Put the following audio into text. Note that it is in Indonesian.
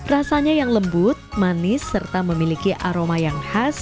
rasanya yang lembut manis serta memiliki aroma yang khas